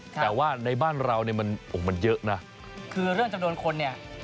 แต่ว่าในบ้านเราเนี่ยมันโอ้โหมันเยอะนะคือเรื่องจำนวนคนเนี่ย